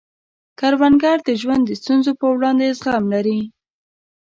کروندګر د ژوند د ستونزو په وړاندې زغم لري